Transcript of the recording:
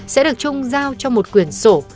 sẽ được trung giao cho một quyển sổ